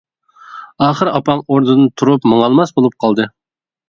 ئاخىر ئاپام ئورنىدىن تۇرۇپ ماڭالماس بولۇپ قالدى.